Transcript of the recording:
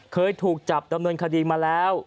เคยถูกจับดำเนินคดีมาแล้ว